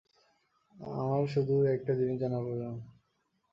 আমার শুধু একটা জিনিস জানা প্রয়োজন।